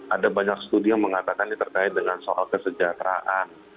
ada banyak studi yang mengatakan ini terkait dengan soal kesejahteraan